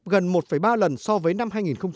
gần một ba lần so với năm hai nghìn một mươi